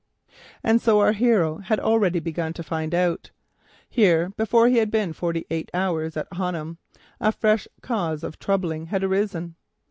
And so our hero had already begun to find out. Here, before he had been forty eight hours in Honham, a fresh cause of troubles had arisen.